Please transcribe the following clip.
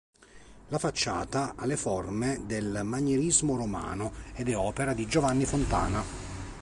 La facciata ha le forme del manierismo romano ed è opera di Giovanni Fontana.